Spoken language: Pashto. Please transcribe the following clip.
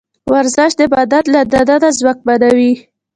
ورزش د بدن له دننه ځواکمنوي.